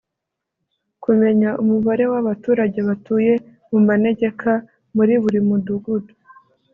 kumenya umubare w’abaturage batuye mu manegeka muri buri mudugudu